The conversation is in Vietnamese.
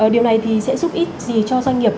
điều này thì sẽ giúp ích gì cho doanh nghiệp